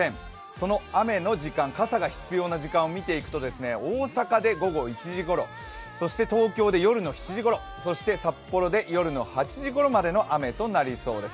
その雨の時間、傘が必要な時間を見ていくと大阪で午後１時ごろ、そして東京で夜の７時ごろ札幌で夜の８時ごろまでの雨となりそうです。